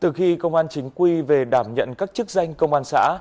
từ khi công an chính quy về đảm nhận các chức danh công an xã